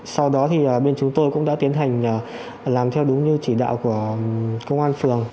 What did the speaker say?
sau đó thì bên chúng tôi cũng đã tiến hành làm theo đúng như chỉ đạo của